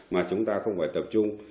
mà chúng ta không phải tập trung